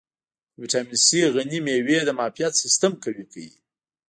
په ویټامین C غني مېوې د معافیت سیستم قوي کوي.